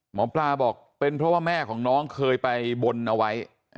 หมอปลาบอกเป็นเพราะว่าแม่ของน้องเคยไปบนเอาไว้